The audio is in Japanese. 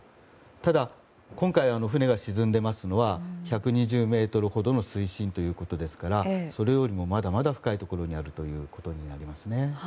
ただ今回、船が沈んでいますのは１２０ｍほどの水深ですからそれよりもまだまだ深いところになりますね。